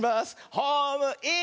ホームイン！